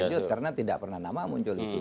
lanjut karena tidak pernah nama muncul itu